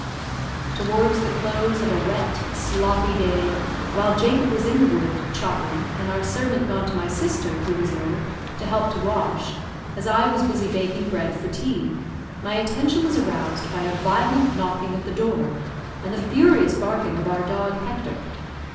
Towards the close of a wet, sloppy day, while Jacob was in the wood, chopping, and our servant gone to my sister, who was ill, to help to wash, as I was busy baking bread for tea, my attention was aroused by a violent knocking at the door, and the furious barking of our dog, Hector.